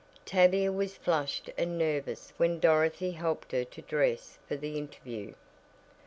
Tavia was flushed and nervous when Dorothy helped her to dress for the interview.